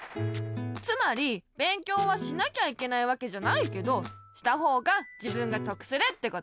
つまり勉強はしなきゃいけないわけじゃないけどしたほうが自分がとくするってこと。